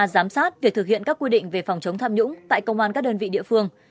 giám sát việc thực hiện các quy định về phòng chống tham nhũng tại công an các đơn vị địa phương